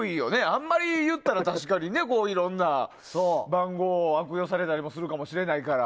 あまり言ったら、いろんな番号を悪用されたりするかもしれないから。